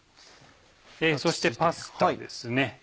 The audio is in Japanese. そしてパスタですね。